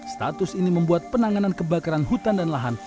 status ini membuat penanganan kebakaran hutan dan lahan